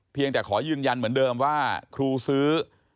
แต่ขอยืนยันเหมือนเดิมว่าครูซื้อ